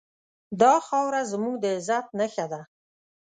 دا خاوره زموږ د عزت نښه ده.